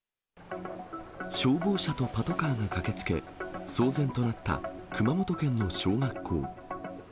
消防車とパトカーが駆けつけ、騒然となった熊本県の小学校。